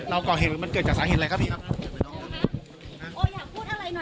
เราก่อเหตุมันเกิดจากสาเหตุอะไรครับพี่ครับโอ้อยากพูดอะไรหน่อย